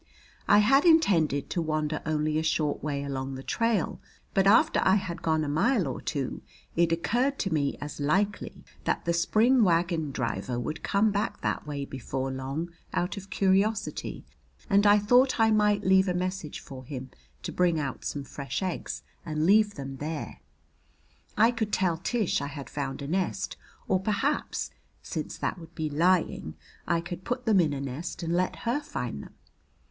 I had intended to wander only a short way along the trail, but after I had gone a mile or two it occurred to me as likely that the spring wagon driver would come back that way before long out of curiosity, and I thought I might leave a message for him to bring out some fresh eggs and leave them there. I could tell Tish I had found a nest, or perhaps, since that would be lying, I could put them in a nest and let her find them.